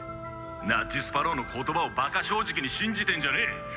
ナッジスパロウの言葉をバカ正直に信じてんじゃねえ。